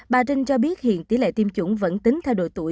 bà trinh cho biết hiện tỷ lệ tiêm chủng vẫn tính theo độ tuổi